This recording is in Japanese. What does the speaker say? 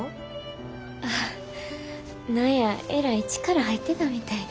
ああ何やえらい力入ってたみたいで。